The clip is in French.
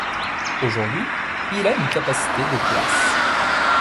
Aujourd'hui, il a une capacité de places.